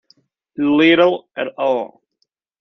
Little et al.